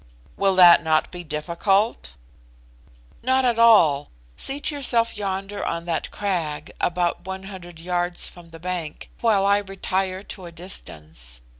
"Will that not be difficult?" "Not at all. Seat yourself yonder on that crag (about one hundred yards from the bank), while I retire to a distance.